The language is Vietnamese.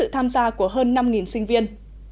tham gia của hơn năm sinh viên